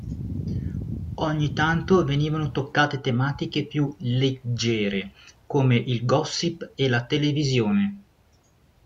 Ogni tanto venivano toccate tematiche più "leggere", come il gossip e la televisione.